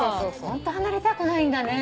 ホント離れたくないんだね。